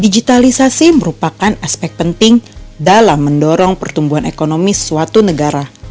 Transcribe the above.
digitalisasi merupakan aspek penting dalam mendorong pertumbuhan ekonomi suatu negara